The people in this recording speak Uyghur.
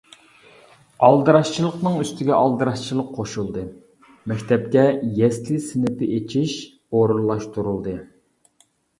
ئالدىراشچىلىقنىڭ ئۈستىگە ئالدىراشچىلىق قوشۇلدى، مەكتەپكە يەسلى سىنىپى ئېچىش ئورۇنلاشتۇرۇلدى.